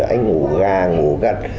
anh ngủ gà ngủ gật